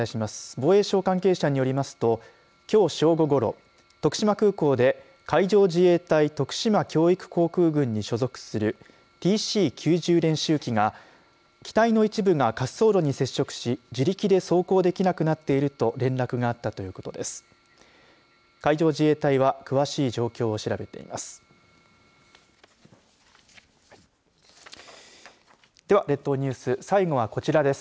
防衛省関係者によりますときょう正午ごろ、徳島空港で海上自衛隊徳島教育航空軍に所属するＰＣ９０練習機が機体の一部が滑走路に接触し自力で走行できなくなっていると連絡があったということです。